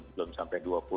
belum sampai dua puluh